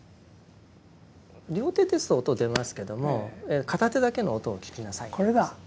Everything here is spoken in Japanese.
両手ですと音出ますけども片手だけの音を聞きなさいってことです。